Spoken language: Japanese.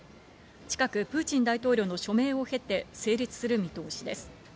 近く、プーチン大統領の署名を経て、成立する見通しです。